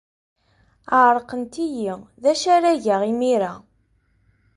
Ɛerqent-iyi. D acu ara geɣ imir-a?